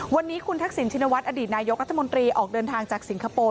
วันนี้คุณทักษิณชินวัฒนอดีตนายกรัฐมนตรีออกเดินทางจากสิงคโปร์